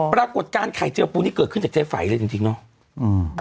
ปรากฏการณ์ไข่เจอปูนี่เกิดขึ้นจากใจไฝเลยจริงเนาะ